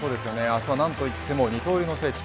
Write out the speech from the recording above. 明日は何といっても二刀流の聖地